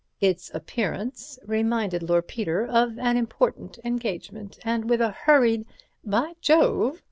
Its appearance reminded Lord Peter of an important engagement, and with a hurried "By Jove!"